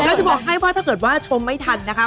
แล้วจะบอกให้ว่าถ้าเกิดว่าชมไม่ทันนะคะ